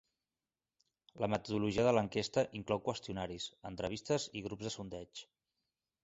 La metodologia de l'enquesta inclou qüestionaris, entrevistes i grups de sondeig.